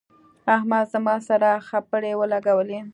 احمد زما سره خپړې ولګولې.